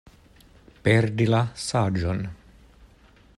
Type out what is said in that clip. Perdi la saĝon.